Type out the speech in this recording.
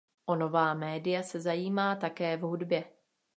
O nová média se zajímá také v hudbě.